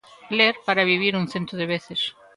Ler para vivir un cento de veces.